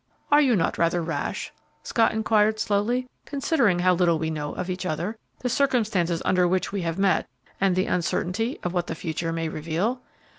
"Are you not rather rash," Scott inquired, slowly, "considering how little we know of each other, the circumstances under which we have met, and the uncertainty of what the future may reveal?"